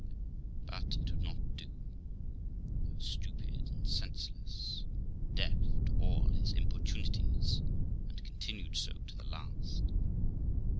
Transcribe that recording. But it would not do. I was stupid and senseless, deaf to all his importunities, and continued so to the last.